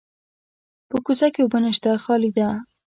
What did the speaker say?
په کوزه کې اوبه نشته، خالي ده.